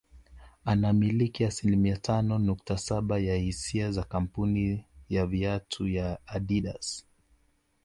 Anamiliki asilimia tano nukta saba ya hisa za kamapuni ya viatu ya Adidas